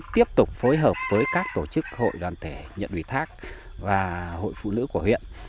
tiếp tục phối hợp với các tổ chức hội đoàn thể nhận ủy thác và hội phụ nữ của huyện